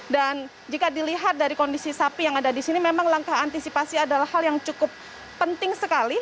dan jika dilihat dari kondisi sapi yang ada di sini memang langkah antisipasi adalah hal yang cukup penting sekali